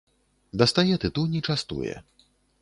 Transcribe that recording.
Дастае тытунь і частуе.